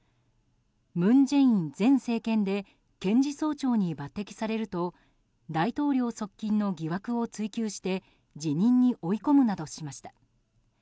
文在寅前政権で検事総長に抜擢されると大統領側近の疑惑を追及して辞任に追い込むなどしました。